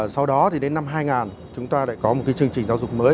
sau đó thì đến năm hai nghìn chúng ta lại có một cái chương trình giáo dục mới